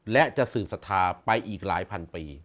และจะสืบศรัทธาไปอีกหลายพันปี